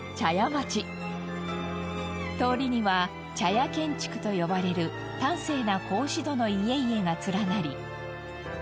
通りには茶屋建築と呼ばれる端正な格子戸の家々が連なり